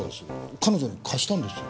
彼女に貸したんですよ。